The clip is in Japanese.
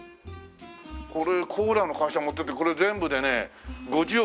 これコーラの会社持っていってこれ全部でね５０億